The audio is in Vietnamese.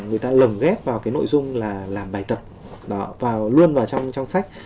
họ ghép vào nội dung làm bài tập luôn vào trong sách